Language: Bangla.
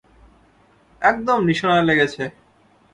একদম নিশানায় লেগেছে!